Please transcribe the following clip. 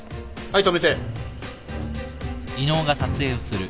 はい止めて。